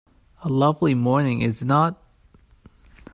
A lovely morning, is it not?